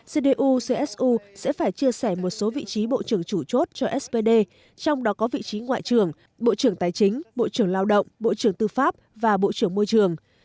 cdu csu sẽ phải chia sẻ một số vị trí bộ trưởng chủ chốt cho spd trong đó có vị trí ngoại trưởng bộ trưởng tài chính bộ trưởng lao động bộ trưởng tư pháp và bộ trưởng môi trường